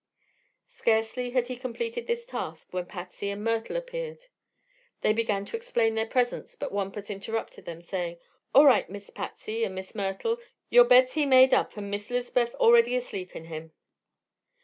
Scarcely had he completed this task when Patsy and Myrtle appeared. They began to explain their presence, but Wampus interrupted them, saying: "All right, Miss Patsy an' Miss Myrtle. Your beds he made up an' Miss 'Lizbeth already asleep in him."